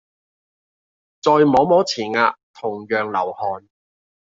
再摸摸前額同樣流汗